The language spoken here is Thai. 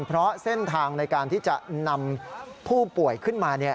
เพราะเส้นทางในการที่จะนำผู้ป่วยขึ้นมา